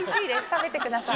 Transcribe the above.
食べてください。